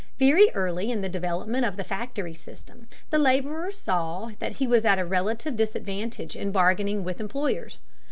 Very early in the development of the factory system, the laborer saw that he was at a relative disadvantage in bargaining with employers.